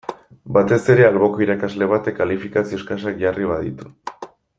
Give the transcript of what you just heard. Batez ere alboko irakasle batek kalifikazio eskasak jarri baditu.